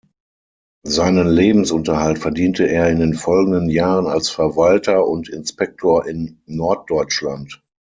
Seinen Lebensunterhalt verdiente er in den folgenden Jahren als Verwalter und Inspektor in Norddeutschland.